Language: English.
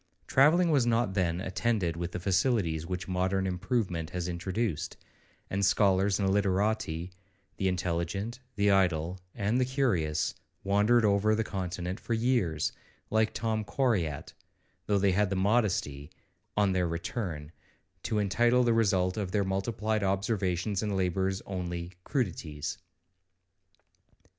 Travelling was not then attended with the facilities which modern improvement has introduced, and scholars and literati, the intelligent, the idle, and the curious, wandered over the Continent for years, like Tom Coryat, though they had the modesty, on their return, to entitle the result of their multiplied observations and labours only 'crudities.'